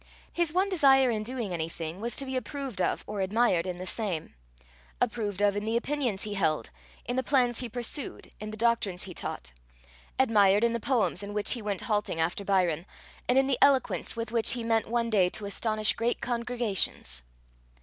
His one desire in doing anything, was to be approved of or admired in the same approved of in the opinions he held, in the plans he pursued, in the doctrines he taught; admired in the poems in which he went halting after Byron, and in the eloquence with which he meant one day to astonish great congregations.